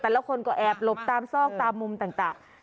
คนก็แอบหลบตามซอกตามมุมต่าง